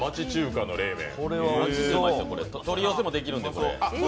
取り寄せもできるんで、これ。